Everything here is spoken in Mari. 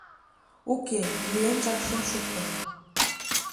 — Уке, лӱенжак шым шукто.